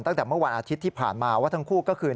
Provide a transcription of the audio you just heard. ตั้งแต่เมื่อวันอาทิตย์ที่ผ่านมาว่าทั้งคู่ก็คือ